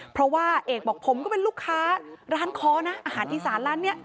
เพราะว่าเอกบอกผมก็เป็นลูกค้าร้านค้อนะอาหารอีสานร้านนี้